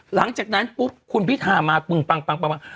หลังจากนั้นปุ๊บคุณพิธามาปึงปังปังปังปัง